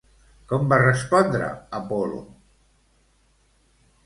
Com va respondre Apol·lo?